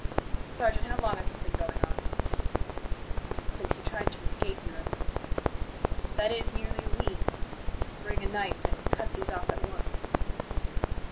"Sergeant, how long has this been going on?" "Since he tried to escape, Your Eminence." "That is, nearly a week? Bring a knife and cut these off at once."